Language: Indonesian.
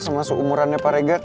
sama seumurannya pak regar